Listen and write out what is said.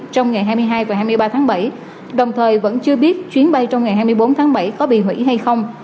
trong ngày hai mươi hai và hai mươi ba tháng bảy đồng thời vẫn chưa biết chuyến bay trong ngày hai mươi bốn tháng bảy có bị hủy hay không